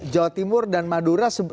jawa timur dan madura